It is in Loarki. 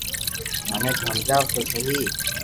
مني تو ھمجاو تو سھي